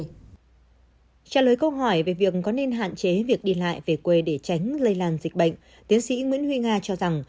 trả lời câu hỏi về việc có nên hạn chế việc đi lại về quê để tránh lây lan dịch bệnh tiến sĩ nguyễn huy nga cho rằng